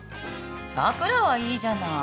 桜はいいじゃない。